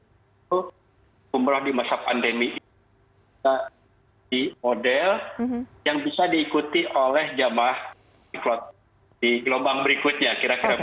itu umroh di masa pandemi ini kita di model yang bisa diikuti oleh jamah di gelombang berikutnya kira kira begitu kan